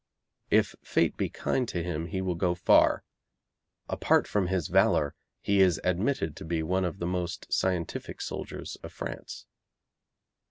If fate be kind to him he will go far. Apart from his valour he is admitted to be one of the most scientific soldiers of France.